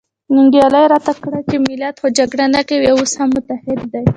ننګیال راته کړه چې ملت خو جګړه نه کوي او اوس هم متحد دی.